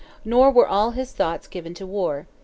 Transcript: Nor were all his thoughts given to war.